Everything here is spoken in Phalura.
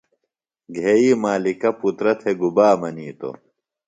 گھئی مالِکہ پُترہ تھےۡ گُبا منِیتوۡ؟